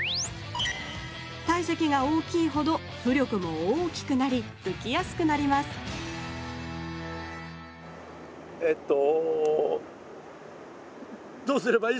体積が大きいほど浮力も大きくなりうきやすくなりますえっとどうすればいい？